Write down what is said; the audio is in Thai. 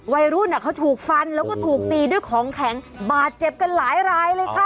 วัยรุ่นเขาถูกฟันแล้วก็ถูกตีด้วยของแข็งบาดเจ็บกันหลายรายเลยค่ะ